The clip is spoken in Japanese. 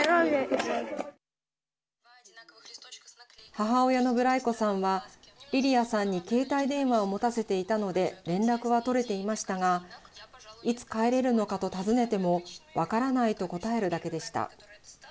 母親のブライコさんはリリアさんに携帯電話を持たせていたので連絡は取れていましたがいつ帰れるのかと尋ねても分からないと答えるだけでした。